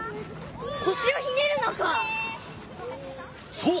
そう！